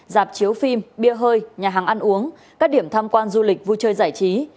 dạp chiếu phim bia hơi nhà hàng ăn uống các điểm tham quan du lịch vui chơi giải trí